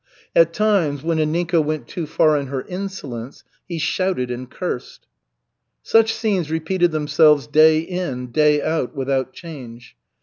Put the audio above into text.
At times, when Anninka went too far in her insolence, he shouted and cursed. Such scenes repeated themselves day in, day out, without change.